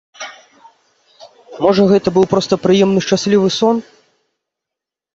Можа, гэта быў проста прыемны, шчаслівы сон?